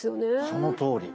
そのとおり。